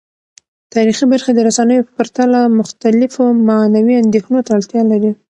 تاریخي برخې د رسنیو په پرتله مختلفو معنوي اندیښنو ته اړتیا لري.